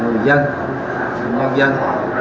người dân nhân dân